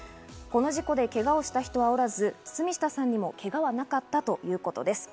この事故でけがをした人はおらず、堤下さんにもけがはなかったということです。